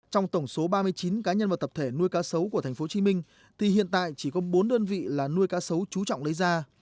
trong tổng số ba mươi chín cá nhân và tập thể nuôi cá sấu của tp hcm thì hiện tại chỉ có bốn đơn vị là nuôi cá sấu trú trọng lấy ra